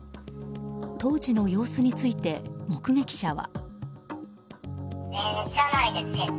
当時の様子について目撃者は。